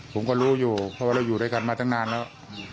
ผมก็รู้อยู่เพราะว่าเราอยู่ด้วยกันมาตั้งนานแล้ว